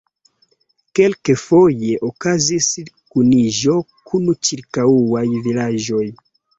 Kelkfoje okazis kuniĝo kun ĉirkaŭaj vilaĝoj.